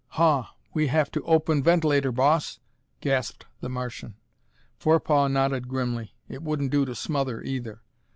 "Haw, we have to open vent'lator, Boss!" gasped the Martian. Forepaugh nodded grimly. It wouldn't do to smother either.